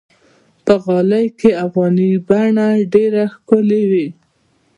په غالۍ کې افغاني بڼه ډېره ښکلي وي.